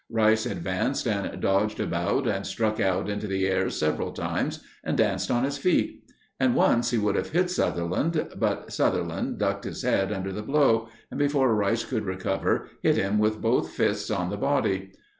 Rice advanced and dodged about and struck out into the air several times and danced on his feet; and once he would have hit Sutherland; but Sutherland ducked his head under the blow, and before Rice could recover, hit him with both fists on the body.